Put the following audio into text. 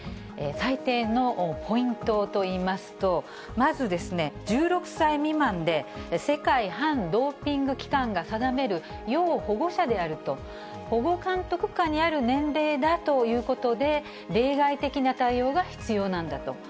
裁定のポイントといいますと、まずですね、１６歳未満で、世界反ドーピング機関が定める要保護者であると、保護監督下にある年齢だということで、例外的な対応が必要なんだと。